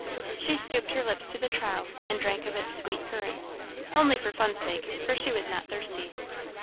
She stooped her lips to the trough and drank of its sweet current only for fun's sake, for she was not thirsty.